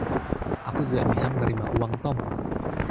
Aku tidak bisa menerima uang Tom.